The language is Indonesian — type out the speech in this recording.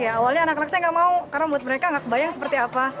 awalnya anak anak saya tidak mau karena menurut mereka tidak kebayang seperti apa